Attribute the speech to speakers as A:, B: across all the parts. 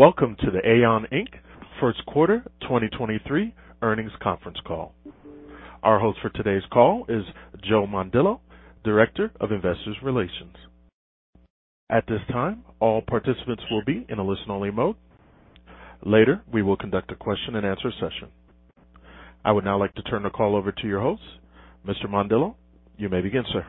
A: Welcome to the AAON Inc. First Quarter 2023 Earnings Conference Call. Our host for today's call is Joseph Mondillo, Director of Investor Relations. At this time, all participants will be in a listen-only mode. Later, we will conduct a question-and-answer session. I would now like to turn the call over to your host. Mr. Mondillo, you may begin, sir.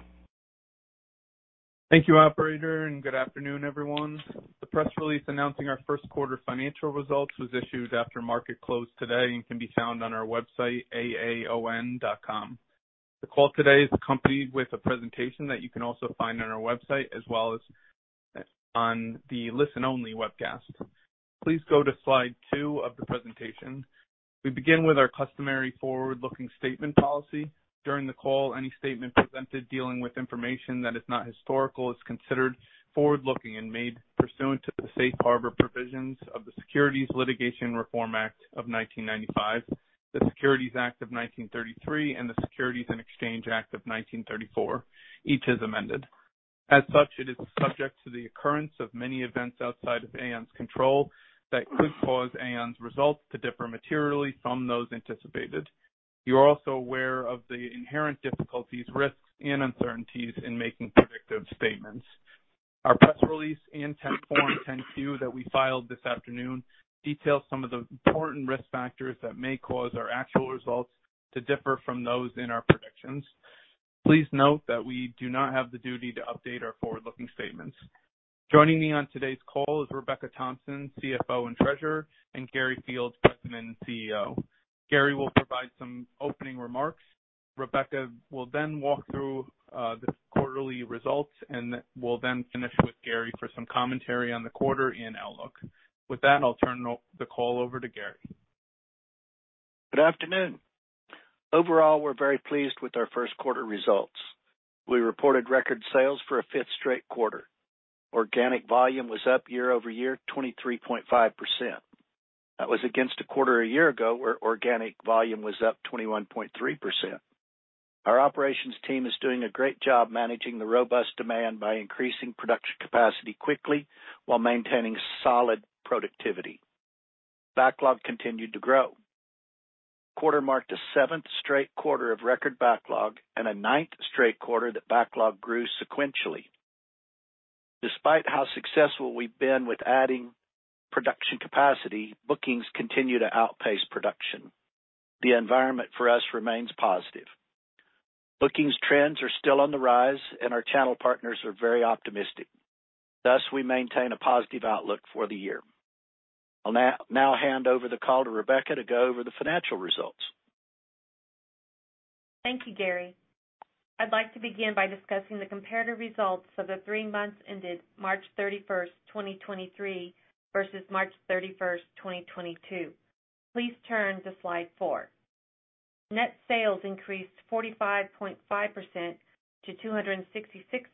B: Thank you operator, and good afternoon, everyone. The press release announcing our first quarter financial results was issued after market close today and can be found on our website, AAON.com. The call today is accompanied with a presentation that you can also find on our website as well as on the listen-only webcast. Please go to slide two of the presentation. We begin with our customary forward-looking statement policy. During the call, any statement presented dealing with information that is not historical is considered forward-looking and made pursuant to the Safe Harbor provisions of the Securities Litigation Reform Act of 1995, the Securities Act of 1933, and the Securities and Exchange Act of 1934, each as amended. As such, it is subject to the occurrence of many events outside of AAON's control that could cause AAON's results to differ materially from those anticipated. You are also aware of the inherent difficulties, risks, and uncertainties in making predictive statements. Our press release and Form 10-Q that we filed this afternoon detail some of the important risk factors that may cause our actual results to differ from those in our predictions. Please note that we do not have the duty to update our forward-looking statements. Joining me on today's call is Rebecca Thompson, CFO and Treasurer, and Gary Fields, President and CEO. Gary will provide some opening remarks. Rebecca will then walk through the quarterly results, and we'll then finish with Gary for some commentary on the quarter and outlook. With that, I'll turn the call over to Gary.
C: Good afternoon. Overall, we're very pleased with our first quarter results. We reported record sales for a fifth straight quarter. Organic volume was up year-over-year, 23.5%. That was against a quarter a year ago where organic volume was up 21.3%. Our operations team is doing a great job managing the robust demand by increasing production capacity quickly while maintaining solid productivity. Backlog continued to grow. Quarter marked a seventh straight quarter of record backlog and a ninth straight quarter that backlog grew sequentially. Despite how successful we've been with adding production capacity, bookings continue to outpace production. The environment for us remains positive. Bookings trends are still on the rise, and our channel partners are very optimistic. Thus, we maintain a positive outlook for the year. I'll now hand over the call to Rebecca to go over the financial results.
D: Thank you, Gary. I'd like to begin by discussing the comparative results for the three months ended March 31st, 2023 versus March 31st, 2022. Please turn to slide four. Net sales increased 45.5% to $266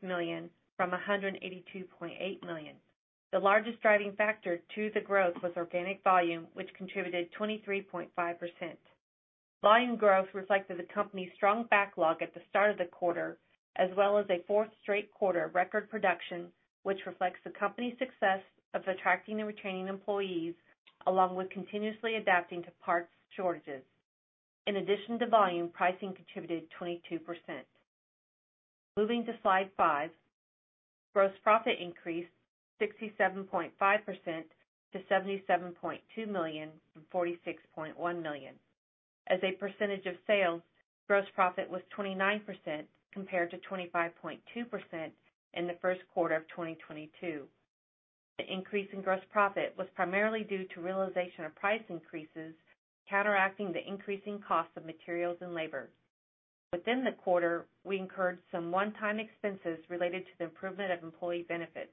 D: million from $182.8 million. The largest driving factor to the growth was organic volume, which contributed 23.5%. Volume growth reflected the company's strong backlog at the start of the quarter, as well as a fourth straight quarter record production, which reflects the company's success of attracting and retaining employees, along with continuously adapting to parts shortages. In addition to volume, pricing contributed 22%. Moving to slide five. Gross profit increased 67.5% to $77.2 million from $46.1 million. As a percentage of sales, gross profit was 29% compared to 25.2% in the first quarter of 2022. The increase in gross profit was primarily due to realization of price increases, counteracting the increasing cost of materials and labor. Within the quarter, we incurred some one-time expenses related to the improvement of employee benefits.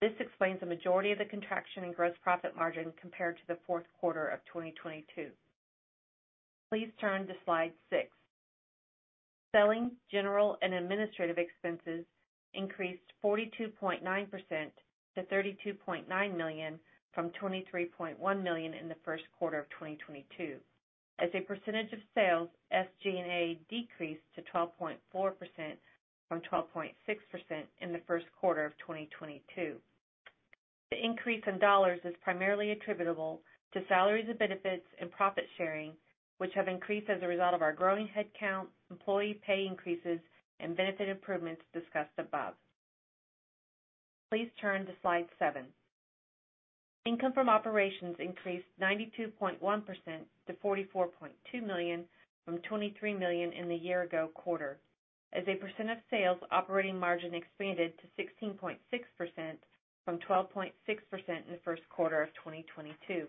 D: This explains the majority of the contraction in gross profit margin compared to the fourth quarter of 2022. Please turn to slide six. Selling, general, and administrative expenses increased 42.9% to $32.9 million from $23.1 million in the first quarter of 2022. As a percentage of sales, SG&A decreased to 12.4% from 12.6% in the first quarter of 2022. The increase in dollars is primarily attributable to salaries and benefits and profit sharing, which have increased as a result of our growing headcount, employee pay increases, and benefit improvements discussed above. Please turn to slide seven. Income from operations increased 92.1% to $44.2 million from $23 million in the year ago quarter. As a percent of sales, operating margin expanded to 16.6% from 12.6% in the first quarter of 2022.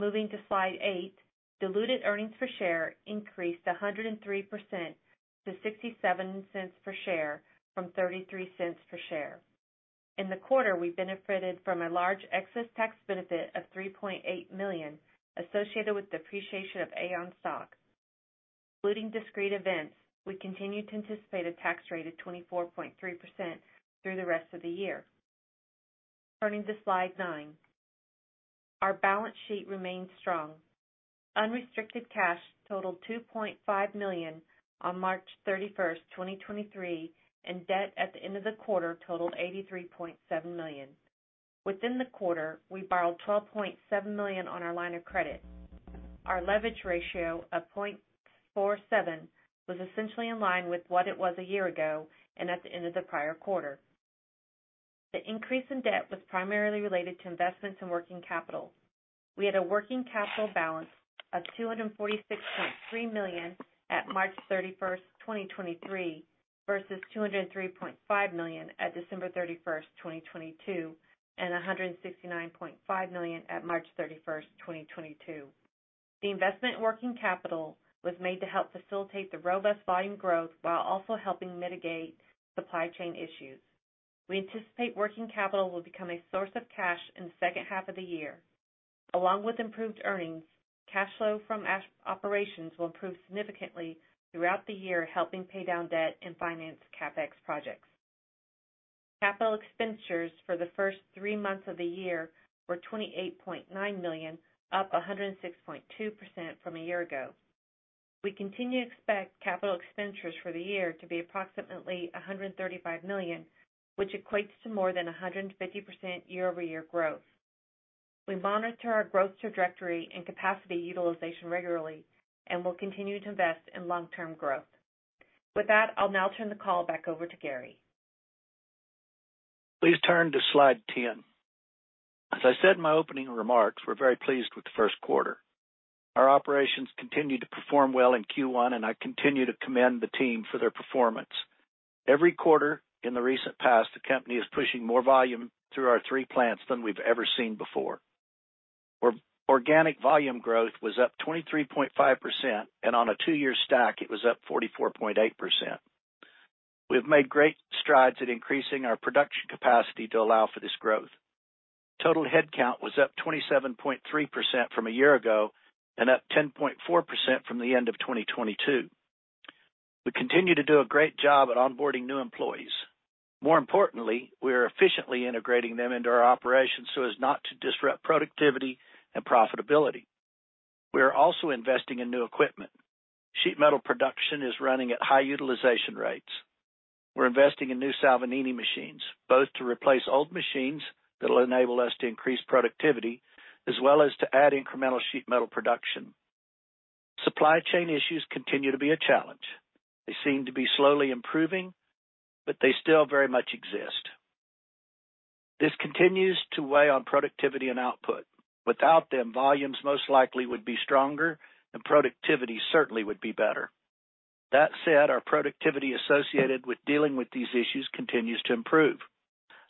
D: Moving to slide eight. Diluted earnings per share increased 103% to $0.67 per share from $0.33 per share. In the quarter, we benefited from a large excess tax benefit of $3.8 million associated with depreciation of AAON stock. Excluding discrete events, we continue to anticipate a tax rate of 24.3% through the rest of the year. Turning to slide nine. Our balance sheet remains strong. Unrestricted cash totaled $2.5 million on March 31st, 2023, and debt at the end of the quarter totaled $83.7 million. Within the quarter, we borrowed $12.7 million on our line of credit. Our leverage ratio of 0.47 was essentially in line with what it was a year ago and at the end of the prior quarter. The increase in debt was primarily related to investments in working capital. We had a working capital balance of $246.3 million at March 31st, 2023, versus $203.5 million at December 31st, 2022, and $169.5 million at March 31st, 2022. The investment working capital was made to help facilitate the robust volume growth while also helping mitigate supply chain issues. We anticipate working capital will become a source of cash in the second half of the year. Along with improved earnings, cash flow from as-operations will improve significantly throughout the year, helping pay down debt and finance CapEx projects. Capital expenditures for the first three months of the year were $28.9 million, up 106.2% from a year ago. We continue to expect capital expenditures for the year to be approximately $135 million, which equates to more than 150% year-over-year growth. We monitor our growth trajectory and capacity utilization regularly and will continue to invest in long-term growth. With that, I'll now turn the call back over to Gary.
C: Please turn to slide 10. As I said in my opening remarks, we're very pleased with the first quarter. Our operations continued to perform well in Q1, and I continue to commend the team for their performance. Every quarter in the recent past, the company is pushing more volume through our three plants than we've ever seen before. Organic volume growth was up 23.5%, and on a two-year stack, it was up 44.8%. We have made great strides at increasing our production capacity to allow for this growth. Total headcount was up 27.3% from a year ago and up 10.4% from the end of 2022. We continue to do a great job at onboarding new employees. More importantly, we are efficiently integrating them into our operations so as not to disrupt productivity and profitability. We are also investing in new equipment. Sheet metal production is running at high utilization rates. We're investing in new Salvagnini machines, both to replace old machines that will enable us to increase productivity as well as to add incremental sheet metal production. Supply chain issues continue to be a challenge. They seem to be slowly improving, but they still very much exist. This continues to weigh on productivity and output. Without them, volumes most likely would be stronger and productivity certainly would be better. That said, our productivity associated with dealing with these issues continues to improve.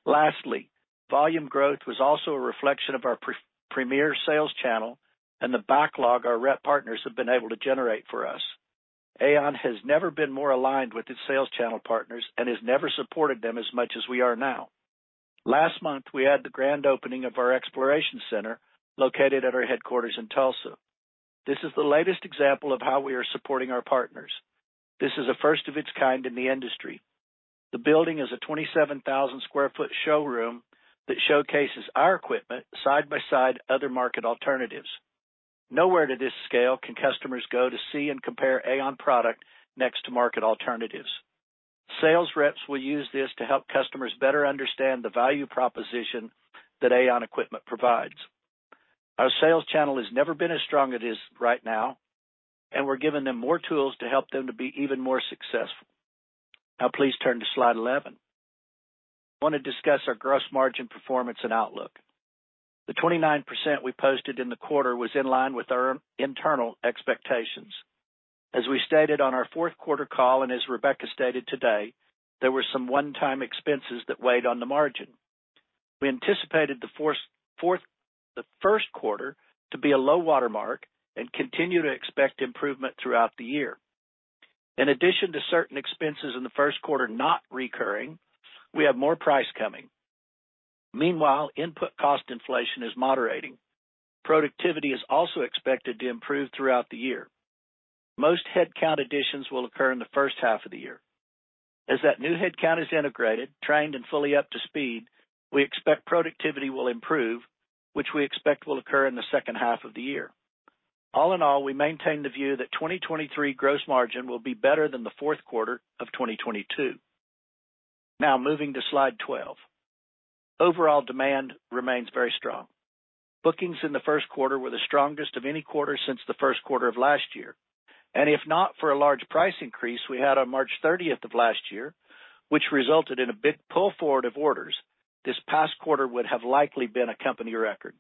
C: Lastly, volume growth was also a reflection of our pre-premier sales channel and the backlog our rep partners have been able to generate for us. AAON has never been more aligned with its sales channel partners and has never supported them as much as we are now. Last month, we had the grand opening of our Exploration Center located at our headquarters in Tulsa. This is the latest example of how we are supporting our partners. This is a first of its kind in the industry. The building is a 27,000 sq ft showroom that showcases our equipment side by side other market alternatives. Nowhere to this scale can customers go to see and compare AAON product next to market alternatives. Sales reps will use this to help customers better understand the value proposition that AAON equipment provides. Our sales channel has never been as strong as it is right now, and we're giving them more tools to help them to be even more successful. Please turn to slide 11. I want to discuss our gross margin performance and outlook. The 29% we posted in the quarter was in line with our internal expectations. As we stated on our fourth quarter call and as Rebecca stated today, there were some one-time expenses that weighed on the margin. We anticipated the first quarter to be a low watermark and continue to expect improvement throughout the year. In addition to certain expenses in the first quarter not recurring, we have more price coming. Meanwhile, input cost inflation is moderating. Productivity is also expected to improve throughout the year. Most headcount additions will occur in the first half of the year. As that new headcount is integrated, trained, and fully up to speed, we expect productivity will improve, which we expect will occur in the second half of the year. All in all, we maintain the view that 2023 gross margin will be better than the fourth quarter of 2022. Now moving to slide 12. Overall demand remains very strong. Bookings in the first quarter were the strongest of any quarter since the first quarter of last year. If not for a large price increase we had on March 30th of last year, which resulted in a big pull forward of orders, this past quarter would have likely been a company record.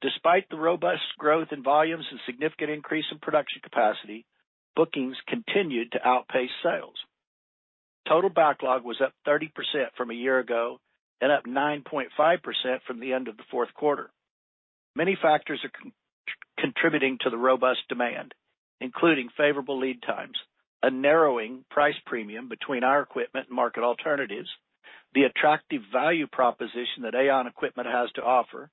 C: Despite the robust growth in volumes and significant increase in production capacity, bookings continued to outpace sales. Total backlog was up 30% from a year ago and up 9.5% from the end of the fourth quarter. Many factors are contributing to the robust demand, including favorable lead times, a narrowing price premium between our equipment and market alternatives, the attractive value proposition that AAON equipment has to offer,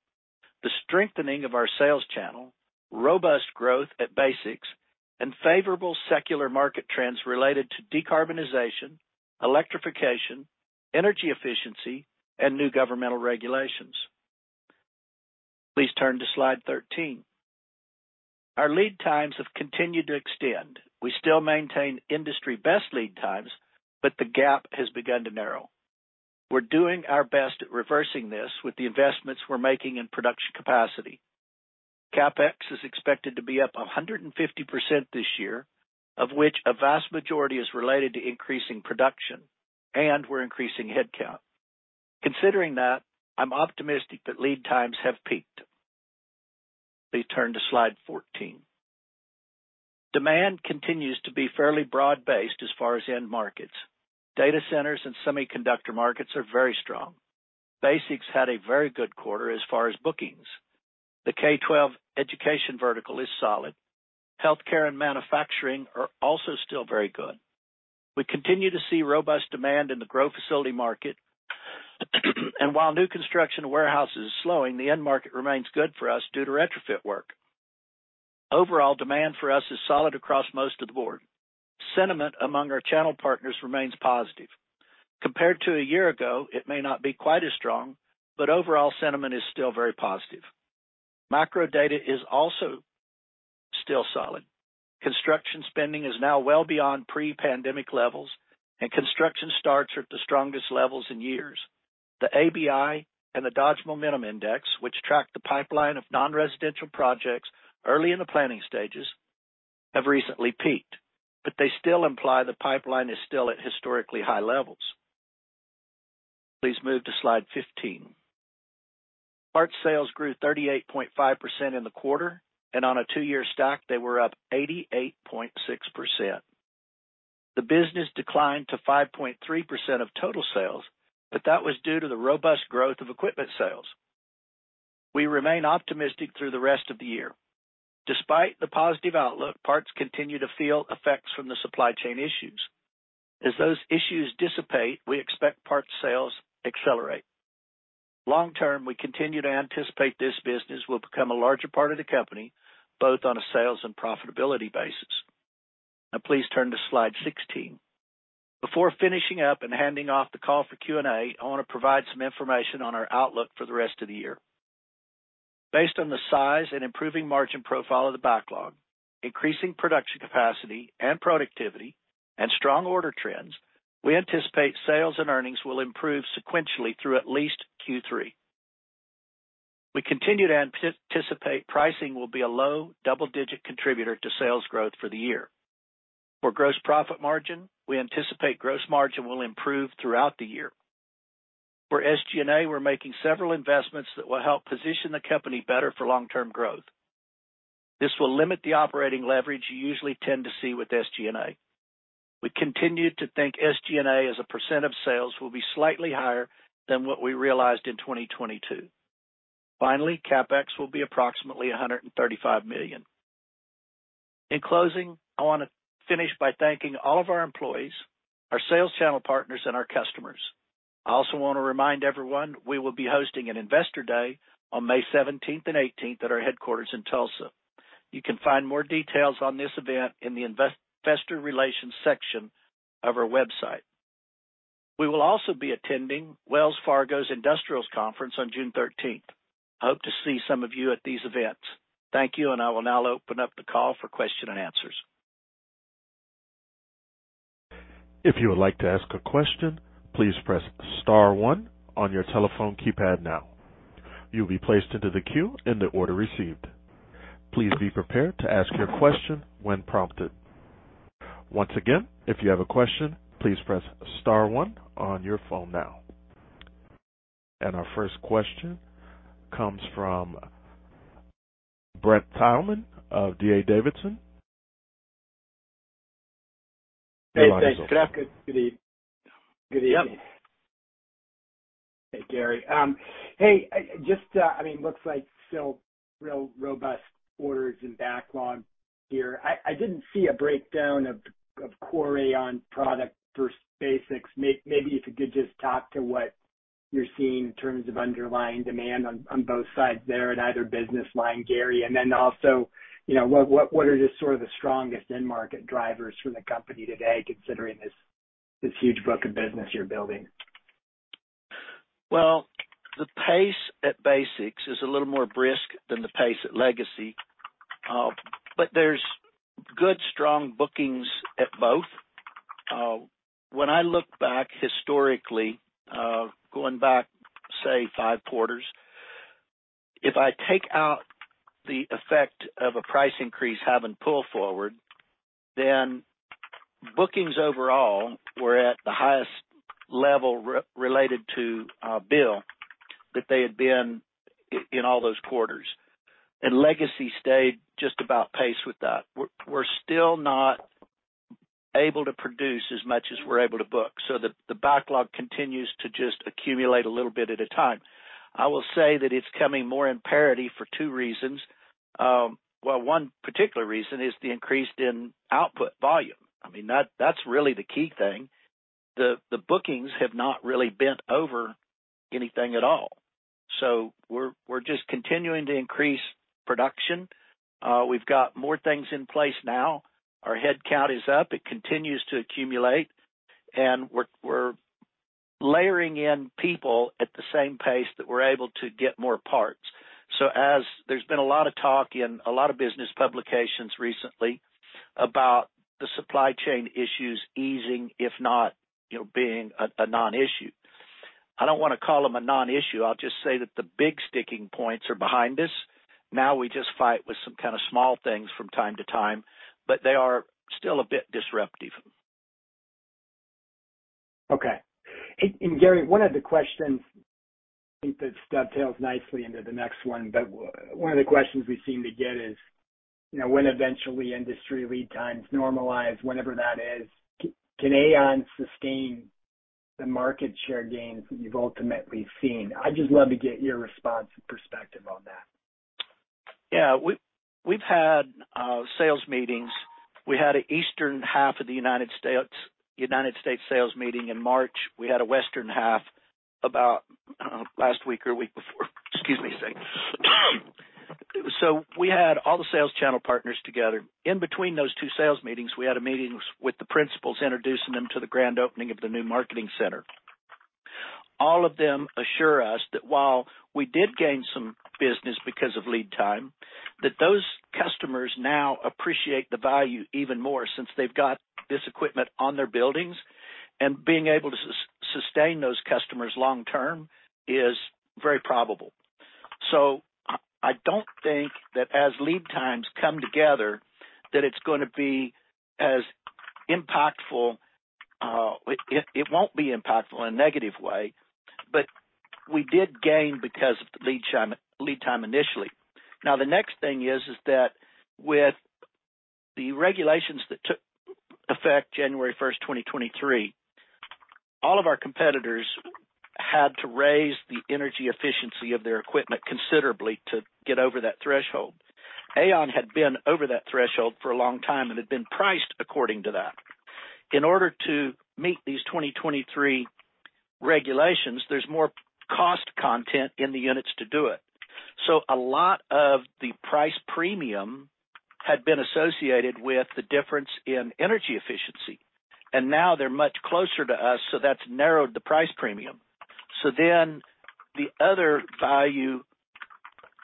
C: the strengthening of our sales channel. Robust growth at BASX and favorable secular market trends related to decarbonization, electrification, energy efficiency, and new governmental regulations. Please turn to slide 13. Our lead times have continued to extend. We still maintain industry best lead times, the gap has begun to narrow. We're doing our best at reversing this with the investments we're making in production capacity. CapEx is expected to be up 150% this year, of which a vast majority is related to increasing production, we're increasing headcount. Considering that, I'm optimistic that lead times have peaked. Please turn to slide 14. Demand continues to be fairly broad-based as far as end markets. Data centers and semiconductor markets are very strong. BASX had a very good quarter as far as bookings. The K-12 education vertical is solid. Healthcare and manufacturing are also still very good. We continue to see robust demand in the grow facility market and while new construction warehouse is slowing, the end market remains good for us due to retrofit work. Overall demand for us is solid across most of the board. Sentiment among our channel partners remains positive. Compared to a year ago, it may not be quite as strong, but overall sentiment is still very positive. Macro data is also still solid. Construction spending is now well beyond pre-pandemic levels, and construction starts are at the strongest levels in years. The ABI and the Dodge Momentum Index, which track the pipeline of non-residential projects early in the planning stages, have recently peaked, but they still imply the pipeline is still at historically high levels. Please move to slide 15. Parts sales grew 38.5% in the quarter. On a two-year stack, they were up 88.6%. The business declined to 5.3% of total sales. That was due to the robust growth of equipment sales. We remain optimistic through the rest of the year. Despite the positive outlook, parts continue to feel effects from the supply chain issues. As those issues dissipate, we expect parts sales accelerate. Long term, we continue to anticipate this business will become a larger part of the company, both on a sales and profitability basis. Please turn to slide 16. Before finishing up and handing off the call for Q&A, I wanna provide some information on our outlook for the rest of the year. Based on the size and improving margin profile of the backlog, increasing production capacity and productivity and strong order trends, we anticipate sales and earnings will improve sequentially through at least Q3. We continue to anticipate pricing will be a low double-digit contributor to sales growth for the year. For gross profit margin, we anticipate gross margin will improve throughout the year. For SG&A, we're making several investments that will help position the company better for long-term growth. This will limit the operating leverage you usually tend to see with SG&A. We continue to think SG&A as a percent of sales will be slightly higher than what we realized in 2022. CapEx will be approximately $135 million. In closing, I wanna finish by thanking all of our employees, our sales channel partners, and our customers. I also wanna remind everyone we will be hosting an investor day on May 17th and 18th at our headquarters in Tulsa. You can find more details on this event in the Investor Relations section of our website. We will also be attending Wells Fargo's Industrials Conference on June 13th. I hope to see some of you at these events. Thank you. I will now open up the call for question and answers.
A: If you would like to ask a question, please press star one on your telephone keypad now. You'll be placed into the queue in the order received. Please be prepared to ask your question when prompted. Once again, if you have a question, please press star one on your phone now. Our first question comes from Brent Thielman of D.A. Davidson.
E: Hey, thanks. Good afternoon. Good evening.
C: Yep.
E: Hey, Gary. Hey, just, I mean, looks like still real robust orders and backlog here. I didn't see a breakdown of Quarterly on product for BASX. Maybe if you could just talk to what you're seeing in terms of underlying demand on both sides there in either business line, Gary. Then also, you know, what are just sort of the strongest end market drivers for the company today considering this huge book of business you're building?
C: The pace at BASX is a little more brisk than the pace at Legacy. There's good, strong bookings at both. When I look back historically, going back, say, five quarters, if I take out the effect of a price increase having pulled forward, then bookings overall were at the highest level related to bill that they had been in all those quarters. Legacy stayed just about pace with that. We're still not able to produce as much as we're able to book, so the backlog continues to just accumulate a little bit at a time. I will say that it's coming more in parity for two reasons. Well, one particular reason is the increase in output volume. I mean, that's really the key thing. The bookings have not really bent over anything at all. We're just continuing to increase production. We've got more things in place now. Our headcount is up. It continues to accumulate, and we're layering in people at the same pace that we're able to get more parts. As there's been a lot of talk in a lot of business publications recently about the supply chain issues easing, if not, you know, being a non-issue. I don't wanna call them a non-issue. I'll just say that the big sticking points are behind us. We just fight with some kind of small things from time to time, but they are still a bit disruptive.
E: Okay. Gary, one of the questions I think that dovetails nicely into the next one, but one of the questions we seem to get is, you know, when eventually industry lead times normalize, whenever that is, can AAON sustain the market share gains that you've ultimately seen? I'd just love to get your response and perspective on that.
C: Yeah. We've had sales meetings. We had a eastern half of the United States sales meeting in March. We had a western half about last week or week before. Excuse me a second. We had all the sales channel partners together. In between those two sales meetings, we had a meeting with the principals, introducing them to the grand opening of the new marketing center. All of them assure us that while we did gain some business because of lead time, that those customers now appreciate the value even more since they've got this equipment on their buildings. Being able to sustain those customers long term is very probable. I don't think that as lead times come together, that it's gonna be as impactful, it won't be impactful in a negative way, but we did gain because of the lead time initially. The next thing is that with the regulations that took effect January first, 2023, all of our competitors had to raise the energy efficiency of their equipment considerably to get over that threshold. AAON had been over that threshold for a long time and had been priced according to that. In order to meet these 2023 regulations, there's more cost content in the units to do it. A lot of the price premium had been associated with the difference in energy efficiency, and now they're much closer to us, so that's narrowed the price premium. The other value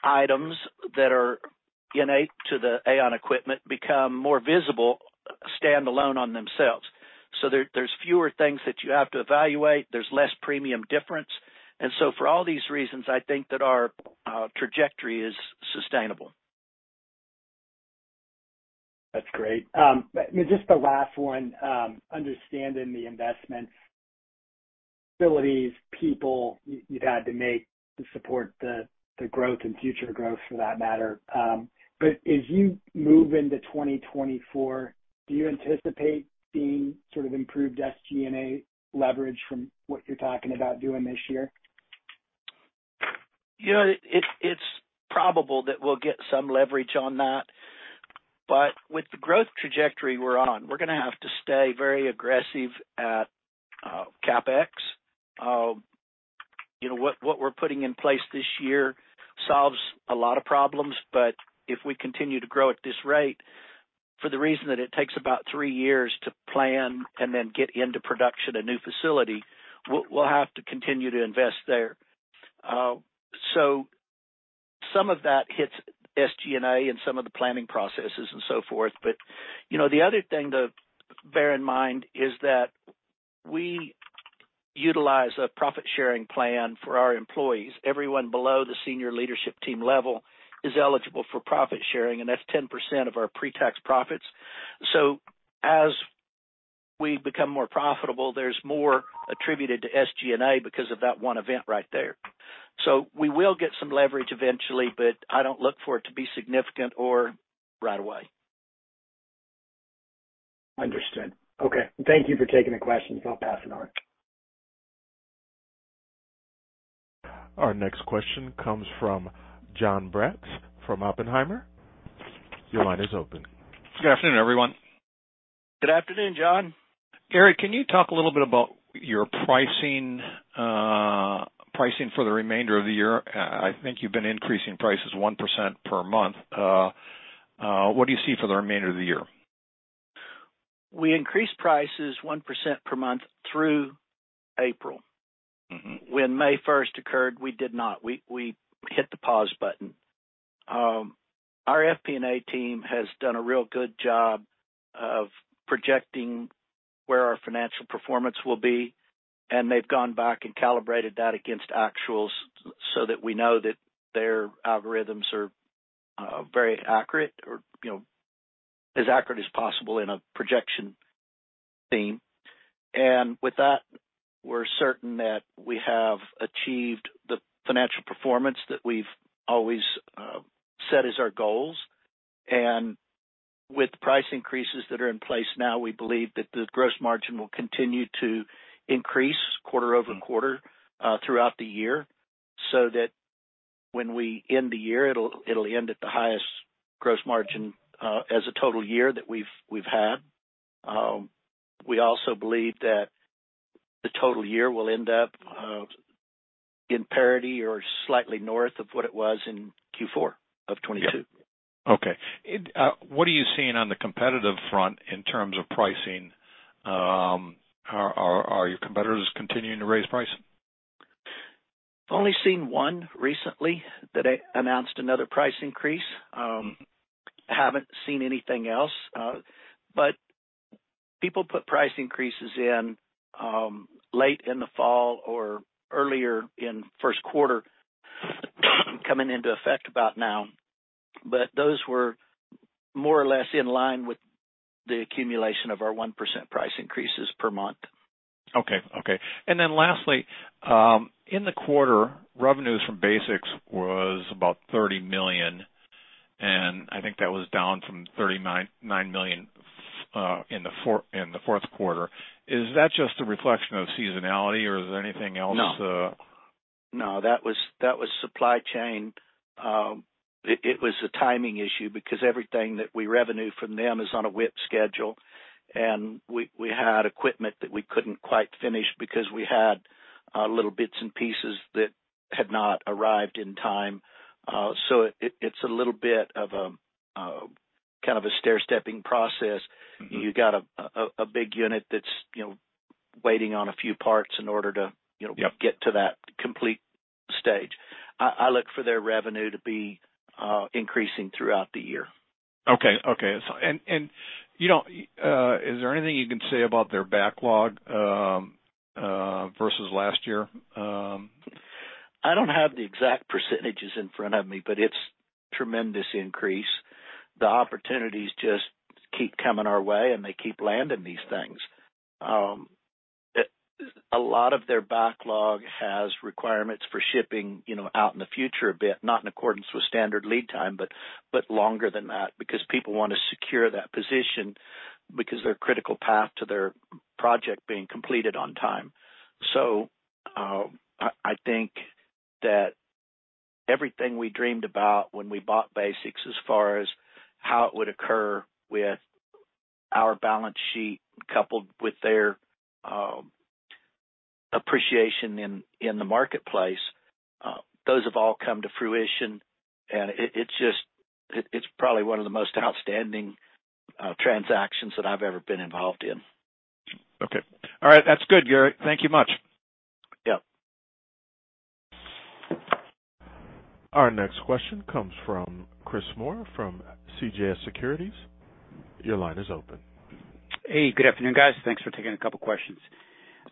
C: items that are innate to the AAON equipment become more visible, standalone on themselves. There, there's fewer things that you have to evaluate. There's less premium difference. For all these reasons, I think that our trajectory is sustainable.
E: That's great. Just the last one, understanding the investment facilities, people you've had to make to support the growth and future growth for that matter. As you move into 2024, do you anticipate seeing sort of improved SG&A leverage from what you're talking about doing this year?
C: You know, it's probable that we'll get some leverage on that, but with the growth trajectory we're on, we're gonna have to stay very aggressive at CapEx. You know, what we're putting in place this year solves a lot of problems, but if we continue to grow at this rate, for the reason that it takes about three years to plan and then get into production a new facility, we'll have to continue to invest there. Some of that hits SG&A and some of the planning processes and so forth. You know, the other thing to bear in mind is that we utilize a profit-sharing plan for our employees. Everyone below the senior leadership team level is eligible for profit sharing, and that's 10% of our pre-tax profits. As we become more profitable, there's more attributed to SG&A because of that one event right there. We will get some leverage eventually, but I don't look for it to be significant or right away.
E: Understood. Okay. Thank you for taking the questions. I'll pass it on.
A: Our next question comes from John Brechts from Oppenheimer. Your line is open.
F: Good afternoon, everyone.
C: Good afternoon, John.
F: Gary, can you talk a little bit about your pricing for the remainder of the year? I think you've been increasing prices 1% per month. What do you see for the remainder of the year?
C: We increased prices 1% per month through April.
F: Mm-hmm.
C: When May first occurred, we did not. We hit the pause button. Our FP&A team has done a real good job of projecting where our financial performance will be, and they've gone back and calibrated that against actuals so that we know that their algorithms are very accurate or, you know, as accurate as possible in a projection theme. With that, we're certain that we have achieved the financial performance that we've always set as our goals. With price increases that are in place now, we believe that the gross margin will continue to increase quarter-over-quarter throughout the year, so that when we end the year, it'll end at the highest gross margin as a total year that we've had. We also believe that the total year will end up in parity or slightly north of what it was in Q4 of 2022.
F: Okay. What are you seeing on the competitive front in terms of pricing? Are your competitors continuing to raise prices?
C: Only seen one recently that announced another price increase. Haven't seen anything else. People put price increases in late in the fall or earlier in first quarter, coming into effect about now. Those were more or less in line with the accumulation of our 1% price increases per month.
F: Okay. Okay. Lastly, in the quarter, revenues from BASX was about $30 million, I think that was down from $39 million in the fourth quarter. Is that just a reflection of seasonality, or is there anything else?
C: No. That was supply chain. It was a timing issue because everything that we revenue from them is on a WIP schedule, and we had equipment that we couldn't quite finish because we had little bits and pieces that had not arrived in time. It's a little bit of a kind of a stairstepping process.
F: Mm-hmm.
C: You got a big unit that's, you know, waiting on a few parts in order to, you know.
F: Yep....
C: get to that complete stage. I look for their revenue to be increasing throughout the year.
F: Okay. Okay. You know, is there anything you can say about their backlog, versus last year?
C: I don't have the exact percentages in front of me. It's tremendous increase. The opportunities just keep coming our way. They keep landing these things. A lot of their backlog has requirements for shipping, you know, out in the future a bit, not in accordance with standard lead time, longer than that because people wanna secure that position because they're critical path to their project being completed on time. I think that everything we dreamed about when we bought BASX as far as how it would occur with our balance sheet coupled with their appreciation in the marketplace, those have all come to fruition. It's probably one of the most outstanding transactions that I've ever been involved in.
F: Okay. All right. That's good, Gary. Thank you much.
C: Yep.
A: Our next question comes from Christopher Moore, from CJS Securities. Your line is open.
G: Hey. Good afternoon, guys. Thanks for taking a couple questions.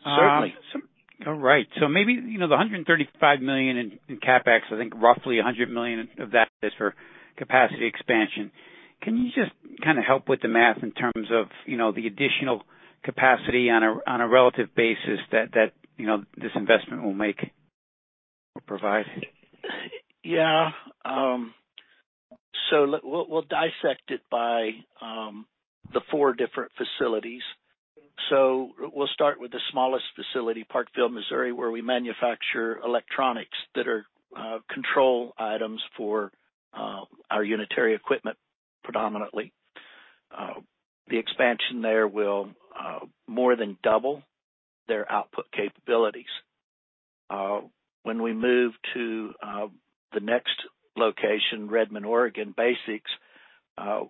C: Certainly.
G: all right. Maybe, you know, the $135 million in CapEx, I think roughly $100 million of that is for capacity expansion. Can you just kinda help with the math in terms of, you know, the additional capacity on a, on a relative basis that, you know, this investment will make or provide?
C: We'll dissect it by the four different facilities. We'll start with the smallest facility, Parkville, Missouri, where we manufacture electronics that are control items for our unitary equipment predominantly. The expansion there will more than double their output capabilities. When we move to the next location, Redmond, Oregon, BASX,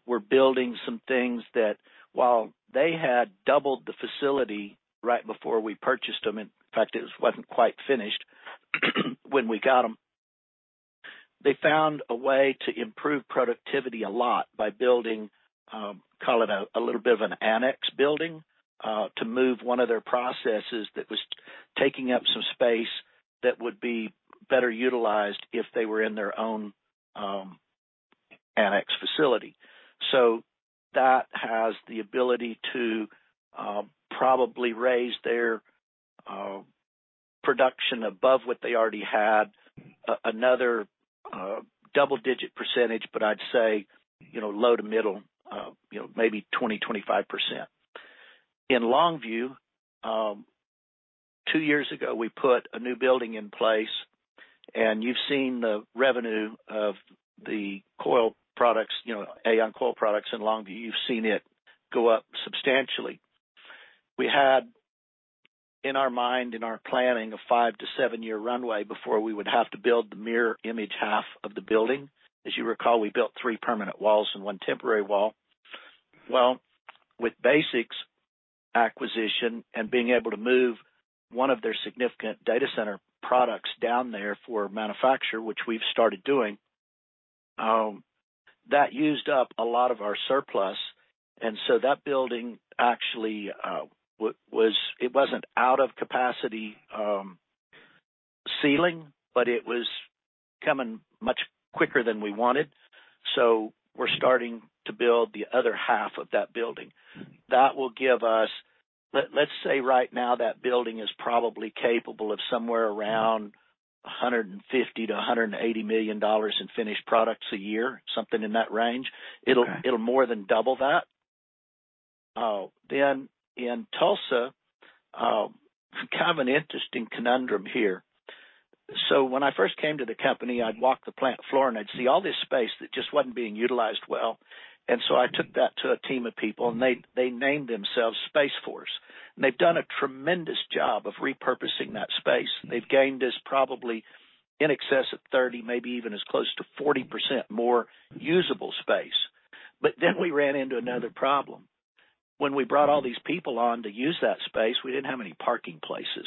C: we're building some things that while they had doubled the facility right before we purchased them, in fact, it wasn't quite finished when we got them. They found a way to improve productivity a lot by building, call it a little bit of an annex building, to move one of their processes that was taking up some space that would be better utilized if they were in their own annex facility. That has the ability to probably raise their production above what they already had another double-digit percentage, but I'd say, you know, low to middle, you know, maybe 20%-25%. In Longview, two years ago, we put a new building in place, and you've seen the revenue of the coil products, you know, AAON Coil Products in Longview. You've seen it go up substantially. We had in our mind, in our planning, a five-seven year runway before we would have to build the mirror image half of the building. As you recall, we built three permanent walls and one temporary wall. With BASX acquisition and being able to move one of their significant data center products down there for manufacture, which we've started doing, that used up a lot of our surplus. That building actually, it wasn't out of capacity, ceiling, but it was coming much quicker than we wanted, so we're starting to build the other half of that building. That will give us, let's say right now, that building is probably capable of somewhere around $150 million-$180 million in finished products a year, something in that range.
G: Okay.
C: It'll more than double that. In Tulsa, kind of an interesting conundrum here. When I first came to the company, I'd walk the plant floor, and I'd see all this space that just wasn't being utilized well. I took that to a team of people, and they named themselves Space Force. They've done a tremendous job of repurposing that space. They've gained us probably in excess of 30%, maybe even as close to 40% more usable space. We ran into another problem. When we brought all these people on to use that space, we didn't have any parking places.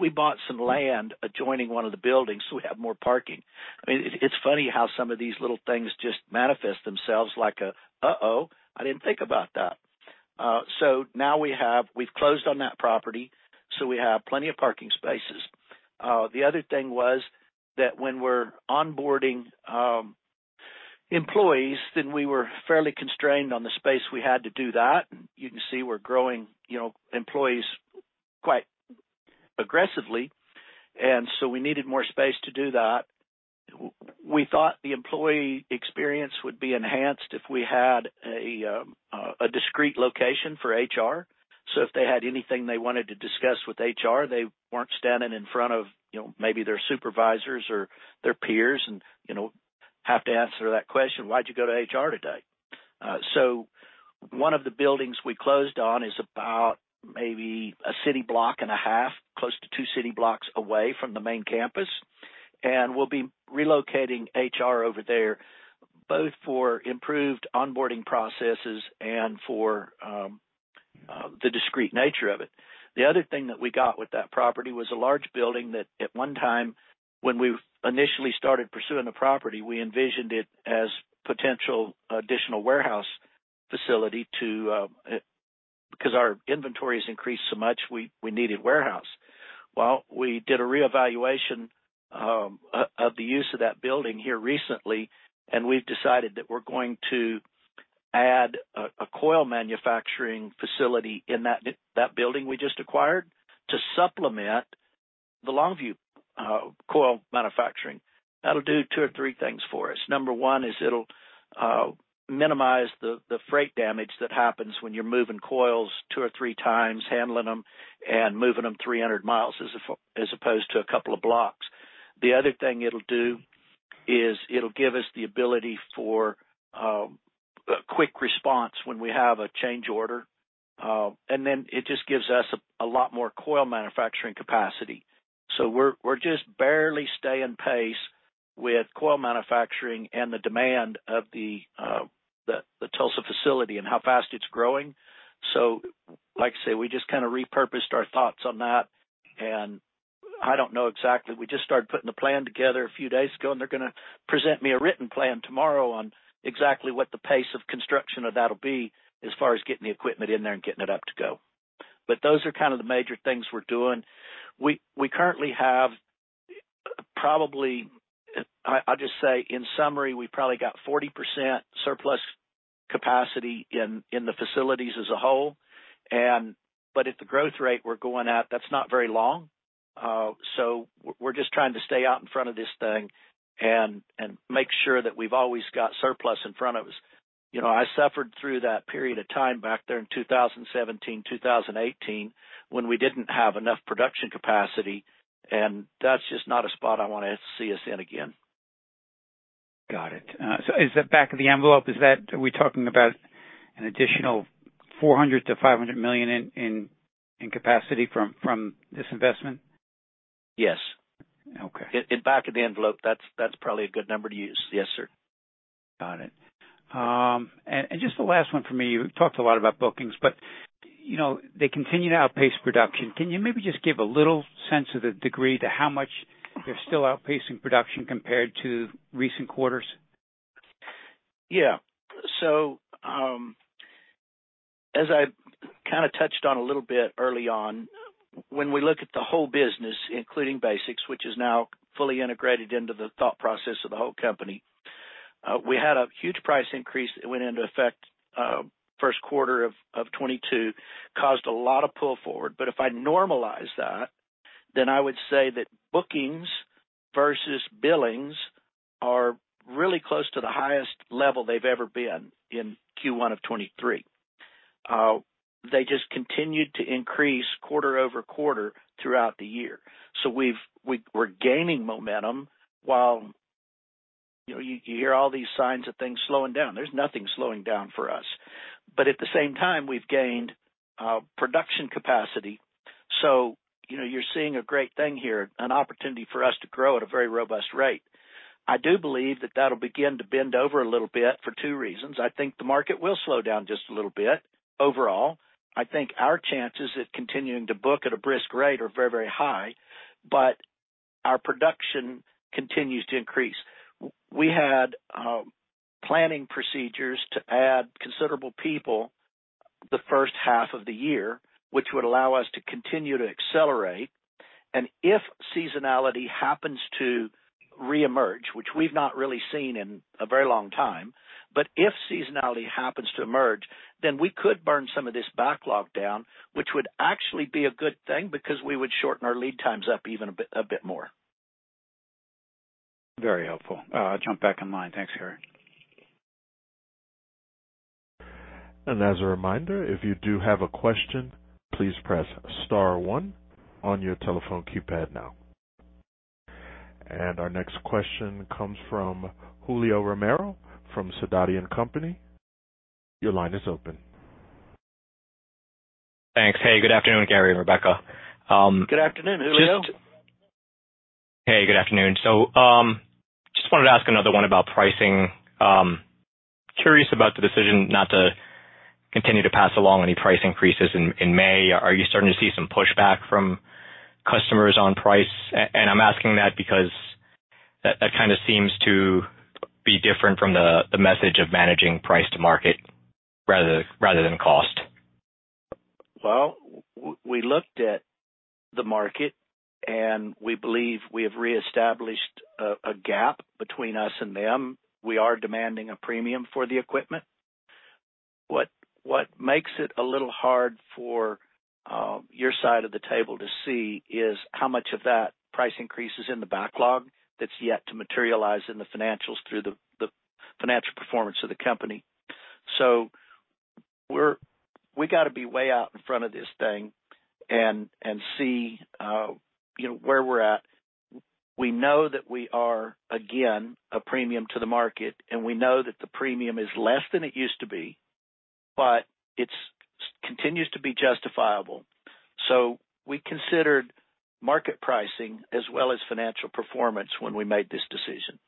C: We bought some land adjoining one of the buildings, so we have more parking. I mean, it's funny how some of these little things just manifest themselves like a, uh-oh, I didn't think about that. Now we've closed on that property, so we have plenty of parking spaces. The other thing was that when we're onboarding employees, we were fairly constrained on the space we had to do that. You can see we're growing, you know, employees quite aggressively, we needed more space to do that. We thought the employee experience would be enhanced if we had a discreet location for HR. If they had anything they wanted to discuss with HR, they weren't standing in front of, you know, maybe their supervisors or their peers and, you know, have to answer that question, "Why'd you go to HR today?" One of the buildings we closed on is about maybe a city block and a half, close to two city blocks away from the main campus. We'll be relocating HR over there, both for improved onboarding processes and for the discreet nature of it. The other thing that we got with that property was a large building that at one time, when we initially started pursuing the property, we envisioned it as potential additional warehouse facility to because our inventory has increased so much, we needed warehouse. Well, we did a reevaluation of the use of that building here recently, and we've decided that we're going to add a coil manufacturing facility in that building we just acquired to supplement the Longview coil manufacturing. That'll do two or three things for us. Number one is it'll minimize the freight damage that happens when you're moving coils two or three times, handling them and moving them 300 miles as opposed to a couple of blocks. The other thing it'll do is it'll give us the ability for a quick response when we have a change order. It just gives us a lot more coil manufacturing capacity. We're just barely staying pace with coil manufacturing and the demand of the Tulsa facility and how fast it's growing. Like I say, we just kind of repurposed our thoughts on that. I don't know exactly. We just started putting the plan together a few days ago, and they're gonna present me a written plan tomorrow on exactly what the pace of construction of that'll be as far as getting the equipment in there and getting it up to go. Those are kind of the major things we're doing. We currently have probably, I'll just say in summary, we probably got 40% surplus capacity in the facilities as a whole. At the growth rate we're going at, that's not very long. We're just trying to stay out in front of this thing and make sure that we've always got surplus in front of us. You know, I suffered through that period of time back there in 2017, 2018, when we didn't have enough production capacity, and that's just not a spot I wanna see us in again.
G: Got it. Back of the envelope, are we talking about an additional $400 million-$500 million in capacity from this investment?
C: Yes.
G: Okay.
C: In back of the envelope, that's probably a good number to use. Yes, sir.
G: Got it. Just the last one for me. You talked a lot about bookings, you know, they continue to outpace production. Can you maybe just give a little sense of the degree to how much they're still outpacing production compared to recent quarters?
C: As I kind of touched on a little bit early on, when we look at the whole business, including BASX, which is now fully integrated into the thought process of the whole company, we had a huge price increase that went into effect, first quarter of 2022. Caused a lot of pull forward. If I normalize that, I would say that bookings versus billings are really close to the highest level they've ever been in Q1 of 2023. They just continued to increase quarter-over-quarter throughout the year. We're gaining momentum while, you know, you hear all these signs of things slowing down. There's nothing slowing down for us. At the same time, we've gained production capacity. You know, you're seeing a great thing here, an opportunity for us to grow at a very robust rate. I do believe that that'll begin to bend over a little bit for two reasons. I think the market will slow down just a little bit overall. I think our chances of continuing to book at a brisk rate are very, very high, but our production continues to increase. We had planning procedures to add considerable people the first half of the year, which would allow us to continue to accelerate. If seasonality happens to reemerge, which we've not really seen in a very long time, but if seasonality happens to emerge, then we could burn some of this backlog down, which would actually be a good thing because we would shorten our lead times up even a bit more. Very helpful. I'll jump back in line. Thanks, Gary.
A: As a reminder, if you do have a question, please press star one on your telephone keypad now. Our next question comes from Julio Romero from Sidoti & Company. Your line is open.
H: Thanks. Hey, good afternoon, Gary and Rebecca.
C: Good afternoon, Julio.
H: Hey, good afternoon. Just wanted to ask another one about pricing. Curious about the decision not to continue to pass along any price increases in May. Are you starting to see some pushback from customers on price? I'm asking that because that kind of seems to be different from the message of managing price to market rather than cost.
C: Well, we looked at the market, and we believe we have reestablished a gap between us and them. We are demanding a premium for the equipment. What makes it a little hard for your side of the table to see is how much of that price increase is in the backlog that's yet to materialize in the financials through the financial performance of the company. We got to be way out in front of this thing and see, you know, where we're at. We know that we are, again, a premium to the market, and we know that the premium is less than it used to be, but it continues to be justifiable. We considered market pricing as well as financial performance when we made this decision.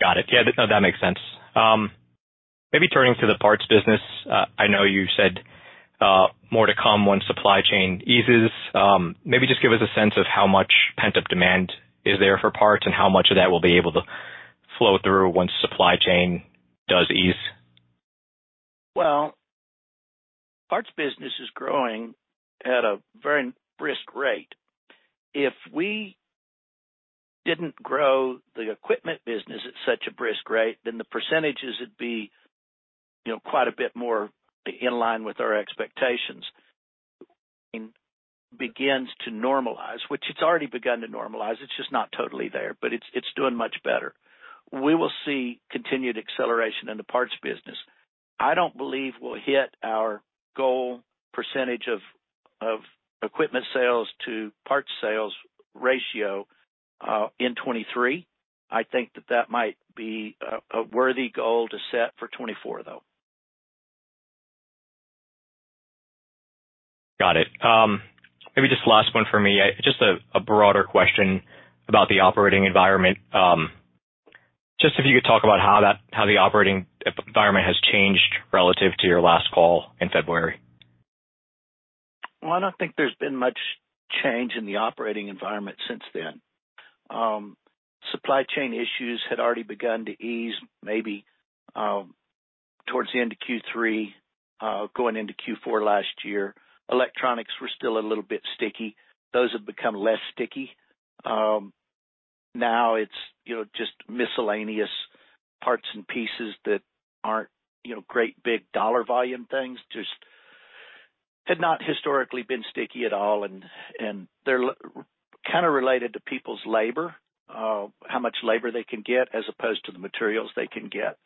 H: Got it. Yeah, no, that makes sense. Maybe turning to the parts business, I know you said, more to come once supply chain eases. Maybe just give us a sense of how much pent-up demand is there for parts and how much of that we'll be able to flow through once supply chain does ease.
C: Well, parts business is growing at a very brisk rate. If we didn't grow the equipment business at such a brisk rate, the percentages would be, you know, quite a bit more in line with our expectations. Begins to normalize, which it's already begun to normalize. It's just not totally there, it's doing much better. We will see continued acceleration in the parts business. I don't believe we'll hit our goal percentage of equipment sales to parts sales ratio in 2023. I think that might be a worthy goal to set for 2024, though.
H: Got it. Maybe just last one for me. Just a broader question about the operating environment. Just if you could talk about how the operating environment has changed relative to your last call in February?
C: Well, I don't think there's been much change in the operating environment since then. Supply chain issues had already begun to ease maybe towards the end of Q3 going into Q4 last year. Electronics were still a little bit sticky. Those have become less sticky. Now it's, you know, just miscellaneous parts and pieces that aren't, you know, great big dollar volume things, just had not historically been sticky at all. They're kind of related to people's labor, how much labor they can get as opposed to the materials they can get.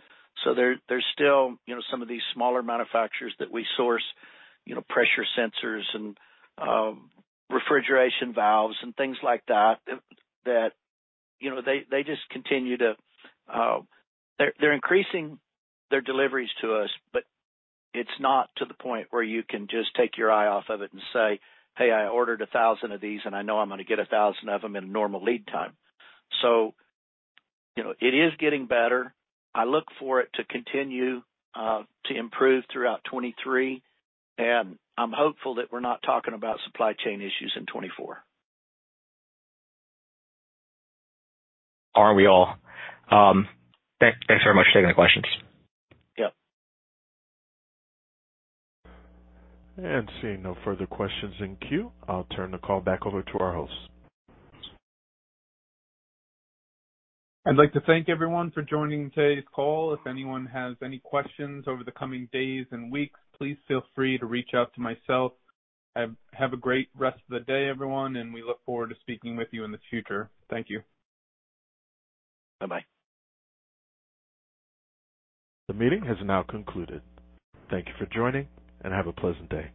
C: There, there's still, you know, some of these smaller manufacturers that we source, you know, pressure sensors and refrigeration valves and things like that, you know, they just continue to... They're increasing their deliveries to us, but it's not to the point where you can just take your eye off of it and say, "Hey, I ordered 1,000 of these, and I know I'm gonna get 1,000 of them in normal lead time." You know, it is getting better. I look for it to continue to improve throughout 2023, and I'm hopeful that we're not talking about supply chain issues in 2024.
H: Aren't we all? Thanks very much. Taking the questions.
C: Yep.
A: Seeing no further questions in queue, I'll turn the call back over to our host.
B: I'd like to thank everyone for joining today's call. If anyone has any questions over the coming days and weeks, please feel free to reach out to myself. Have a great rest of the day, everyone. We look forward to speaking with you in the future. Thank you.
C: Bye-bye.
A: The meeting has now concluded. Thank you for joining, and have a pleasant day.